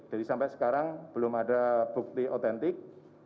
jadi sampai sekarang belum ada bukti otentik